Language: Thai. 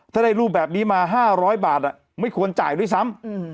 ถ้าได้รูปแบบนี้มา๕๐๐บาทไม่ควรจ่ายด้วยซ้ำ